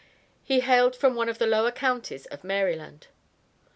He hailed from one of the lower counties of Maryland.